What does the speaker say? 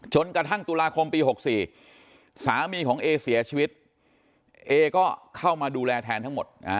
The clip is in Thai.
จนกระทั่งตุลาคมปี๖๔สามีของเอเสียชีวิตเอก็เข้ามาดูแลแทนทั้งหมด